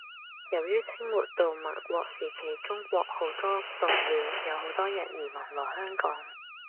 由於清末到民國時期中國好多動亂，有好多人移民來香港